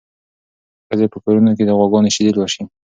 ښځې په کورونو کې د غواګانو شیدې لوشي.